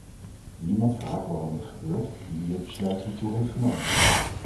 Niemand vraagt waarom het gebeurt en wie het besluit hiertoe heeft genomen.